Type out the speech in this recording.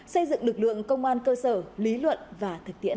xây dựng lực lượng công an cơ sở lý luận và thực tiễn